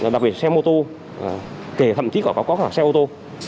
đặc biệt xe mô tô kể thậm chí có xe ô tô